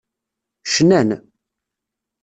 Cnan.